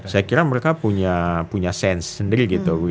saya kira mereka punya sense sendiri gitu